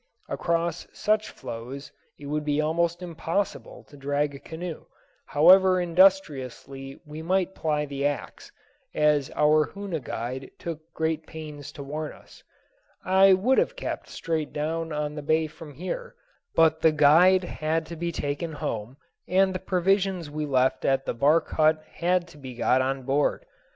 Across such floes it would be almost impossible to drag a canoe, however industriously we might ply the axe, as our Hoona guide took great pains to warn us. I would have kept straight down the bay from here, but the guide had to be taken home, and the provisions we left at the bark hut had to be got on board.